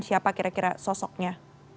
siapa kira kira sosoknya